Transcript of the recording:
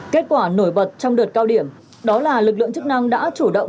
kết quả nổi bật trong đợt cao điểm đó là lực lượng chức năng đã chủ động